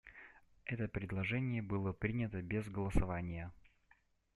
Это предложение было принято без голосования.